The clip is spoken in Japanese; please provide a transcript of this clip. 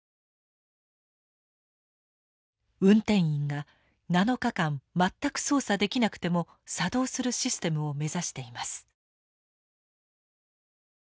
運転員が７日間全く操作できなくても作動するシステムを目指しています。